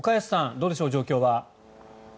どうでしょう、状況は。